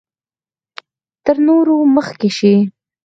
تر نورو مخکې شي.